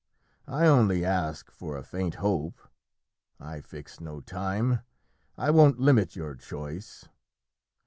I only ask for a faint hope. I fix no time. I won't limit your choice.